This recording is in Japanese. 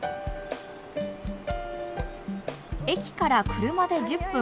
駅から車で１０分